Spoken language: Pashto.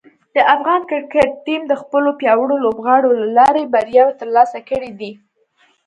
د افغان کرکټ ټیم د خپلو پیاوړو لوبغاړو له لارې بریاوې ترلاسه کړې دي.